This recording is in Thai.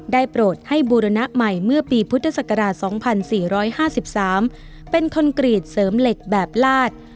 โปรดให้บูรณะใหม่เมื่อปีพุทธศักราช๒๔๕๓เป็นคอนกรีตเสริมเหล็กแบบลาด